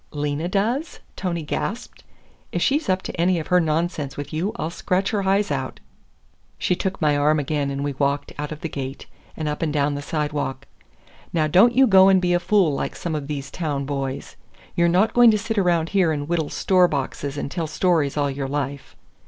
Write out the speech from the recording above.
"Lena does?" Tony gasped. "If she's up to any of her nonsense with you, I'll scratch her eyes out!" She took my arm again and we walked out of the gate and up and down the sidewalk. "Now, don't you go and be a fool like some of these town boys. You're not going to sit around here and whittle store boxes and tell stories all your life.